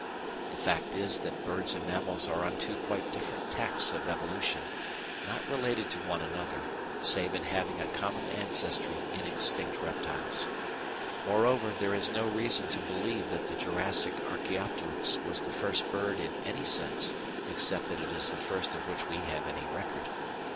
The fact is that birds and mammals are on two quite different tacks of evolution, not related to one another, save in having a common ancestry in extinct reptiles. Moreover, there is no reason to believe that the Jurassic Archæopteryx was the first bird in any sense except that it is the first of which we have any record.